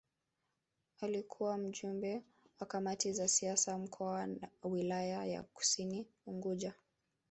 Alikuwa Mjumbe wa Kamati za Siasa Mkoa na Wilaya ya Kusini Unguja